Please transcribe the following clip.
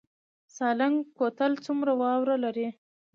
سالنګ کوتل څومره واوره لري؟